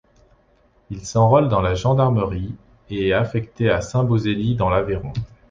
Il s'enrôle dans la gendarmerie et est affecté à Saint-Beauzély, dans l'Aveyron.